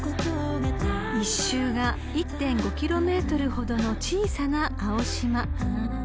［１周が１．５ｋｍほどの小さな青島］